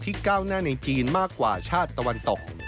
ก้าวหน้าในจีนมากกว่าชาติตะวันตก